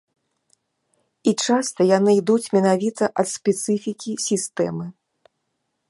І часта яны ідуць менавіта ад спецыфікі сістэмы.